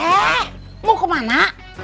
eh mau kemana